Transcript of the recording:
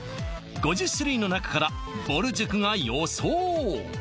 ５０種類の中からぼる塾が予想